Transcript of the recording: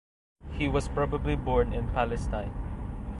He was probably born in Palestine.